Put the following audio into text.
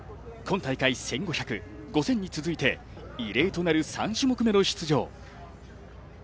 今大会１５００、５０００に続いて慰霊となる３種目めの出場。